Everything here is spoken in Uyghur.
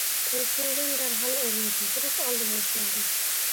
تۇرسۇنجان دەرھال ئورنىدىن تۇرۇپ ئالدىمغا كەلدى.